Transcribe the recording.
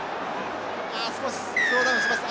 ああ少しスローダウンしました。